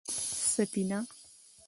_سفينه؟